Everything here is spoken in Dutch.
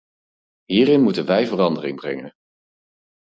Hierin moeten wij verandering brengen.